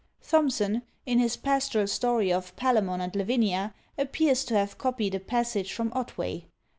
Thomson, in his pastoral story of Palemon and Lavinia, appears to have copied a passage from Otway.